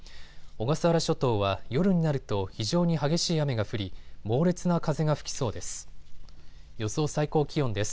小笠原諸島は夜になると非常に激しい雨が降り猛烈な風が吹きそうです。